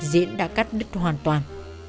diễn đã cắt đứt hoàn toàn